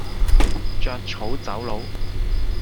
著草走佬